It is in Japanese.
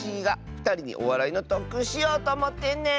ふたりにおわらいのとっくんしようとおもってんねん！